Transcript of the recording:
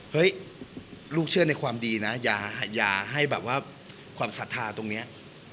ลูกเชื่อในความดีนะอย่าให้แบบว่าความศรัทธาตรงนี้